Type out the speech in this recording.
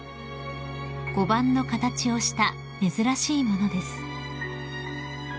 ［碁盤の形をした珍しい物です］